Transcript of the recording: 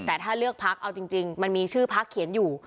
แต่ถ้าเลือกพักเอาจริงมันมีชื่อพักเขียนอยู่